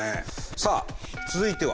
さあ続いては。